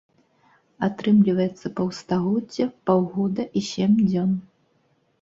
Атрымліваецца паўстагоддзя, паўгода і сем дзён.